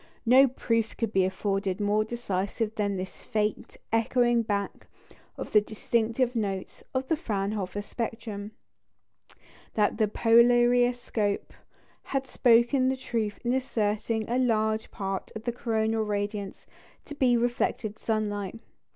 No proof could be afforded more decisive that this faint echoing back of the distinctive notes of the Fraunhofer spectrum, that the polariscope had spoken the truth in asserting a large part of the coronal radiance to be reflected sunlight.